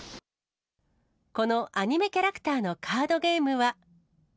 このアニメキャラクターのカードゲームは。